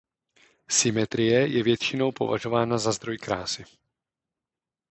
Symetrie je většinou považována za zdroj krásy.